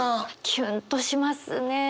キュンとしますね。